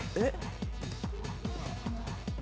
えっ？